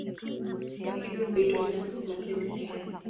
Kwa hivyo huitwa kasuku-mapenzi pia.